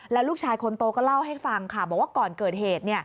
แล้วลูกชายคนโตก็เล่าให้ฟังค่ะบอกว่าก่อนเกิดเหตุ